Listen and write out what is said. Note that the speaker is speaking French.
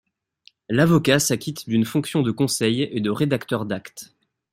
L'avocat s'acquitte d'une fonction de conseil et de rédacteur d'actes.